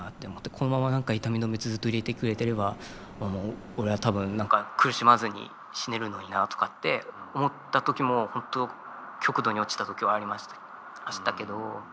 このまま何か痛み止めずっと入れてくれてれば俺は多分何か苦しまずに死ねるのになとかって思った時も本当極度に落ちた時はありましたけど。